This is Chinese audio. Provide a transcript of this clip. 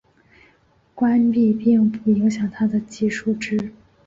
关闭并不影响它的计数值。